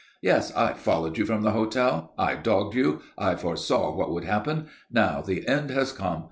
Yes; I followed you from the hotel. I dogged you. I foresaw what would happen. Now the end has come.